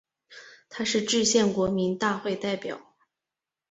他是制宪国民大会代表。